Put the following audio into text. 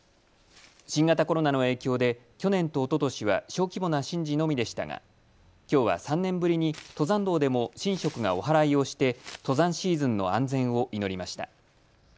新型コロナの影響で去年とおととしは小規模な神事のみでしたがきょうは３年ぶりに登山道でも神職がおはらいをして登山シーズンの安全を祈りました。